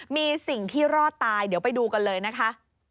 มีสิ่งที่รอดตายเดี๋ยวไปดูกันเลยนะคะ